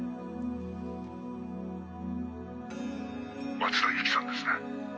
「松田由紀さんですね？」